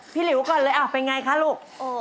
หลิวก่อนเลยเป็นไงคะลูก